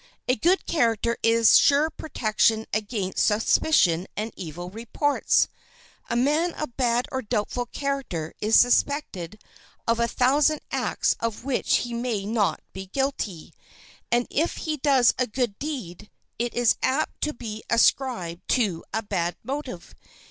A good character is a sure protection against suspicion and evil reports. A man of bad or doubtful character is suspected of a thousand acts of which he may not be guilty. And if he does a good deed it is apt to be ascribed to a bad motive.